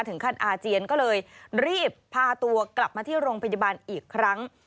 อาเจียนก็เลยรีบพาตัวกลับมาที่โรงพยาบาลอีกครั้ง